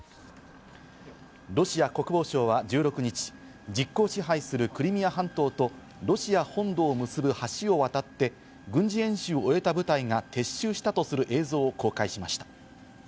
ロシア国防省は１６日、実効支配するクリミア半島とロシア本土を結ぶ橋を渡って、軍事演習を終えた部隊が撤収したとする映像を公開しました。